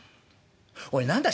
「おい何だい？